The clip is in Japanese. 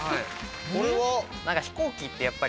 これは？